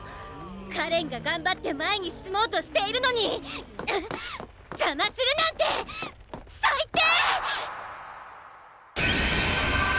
かれんが頑張って前に進もうとしているのに邪魔するなんて最低！